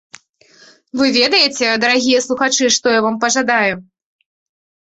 Вы ведаеце, дарагія слухачы, што я вам пажадаю?